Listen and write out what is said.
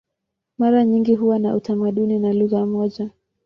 Mara nyingi huwa na utamaduni na lugha moja.